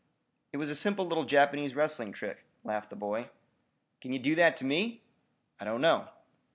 "It was a simple little Japanese wrestling trick," laughed the boy. "Kin ye do that to me?" "I don't know."